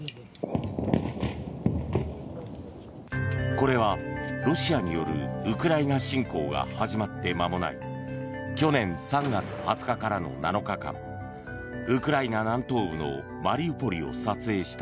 これはロシアによるウクライナ侵攻が始まって間もない去年３月２０日からの７日間ウクライナ南東部のマリウポリを撮影した